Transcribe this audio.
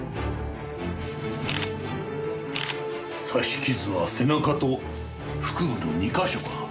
刺し傷は背中と腹部の２か所か。